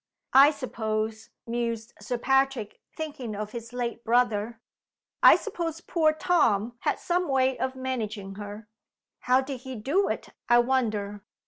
"I suppose," mused Sir Patrick, thinking of his late brother "I suppose poor Tom had some way of managing her. How did he do it, I wonder?